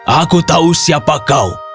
aku tahu siapa kau